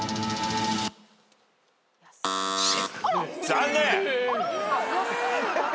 残念！